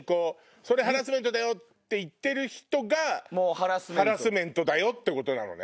それハラスメントだよ！って言ってる人がハラスメントだよ！ってことなのね。